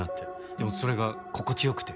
でもそれが心地良くて。